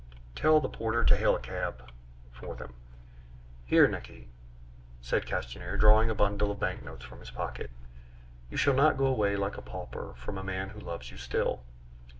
"Tell the porter to hail a cab for them. Here, Naqui," said Castanier, drawing a bundle of banknotes from his pocket; "you shall not go away like a pauper from a man who loves you still."